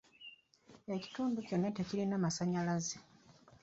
Ekitundu kyonna tekirina masanyalaze.